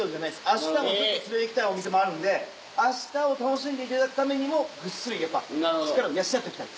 あしたも連れていきたいお店もあるんであしたを楽しんでいただくためにもぐっすりやっぱ力を養っときたい。